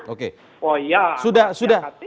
oh ya sudah sudah